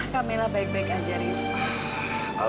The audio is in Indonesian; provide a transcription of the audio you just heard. kamilah baik baik aja riz